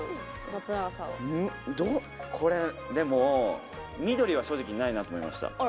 松永さんでも、緑は正直ないなと思いました。